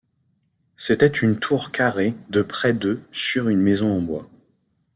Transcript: C'était une tour carrée de près de sur une maison en bois.